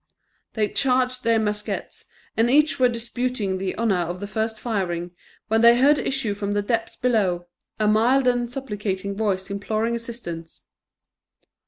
They charged their muskets, and each were disputing the honour of first firing, when they heard issue from the depths below, a mild and supplicating voice imploring assistance.